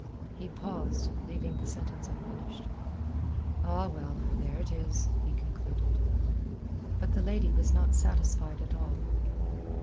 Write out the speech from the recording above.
He paused, leaving the sentence unfinished. "Ah, well there it is!" he concluded. But the lady was not satisfied at all.